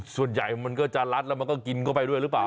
ส่วนใหญ่มันก็จะรัดแล้วมันก็กินเข้าไปด้วยหรือเปล่า